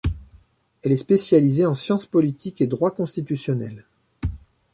Elle est spécialisée en sciences politiques et droit constitutionnel.